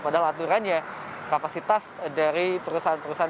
padahal aturannya kapasitas dari perusahaan perusahaan